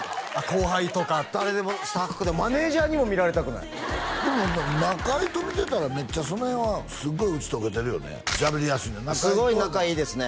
後輩とか誰でもスタッフマネージャーにも見られたくないでも中居と見てたらめっちゃその辺はすごい打ち解けてるよねしゃべりやすいねん中居とすごい仲いいですね